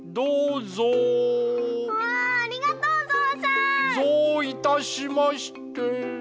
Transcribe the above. ぞういたしまして。